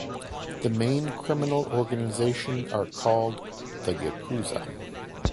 The main criminal organization are called the Yakuza.